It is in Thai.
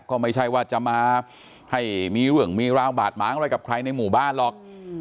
ก็ไม่ใช่ว่าจะมาให้มีเรื่องมีราวบาดหมางอะไรกับใครในหมู่บ้านหรอก